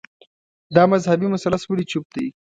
دا مذهبي مثلث ولي چوپ دی